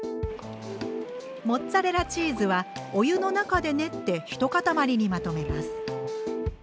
モッツァレラチーズはお湯の中で練って一塊にまとめます。